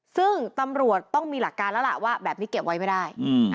ซึ่งตำรวจต้องมีหลักการแล้วล่ะว่าแบบนี้เก็บไว้ไม่ได้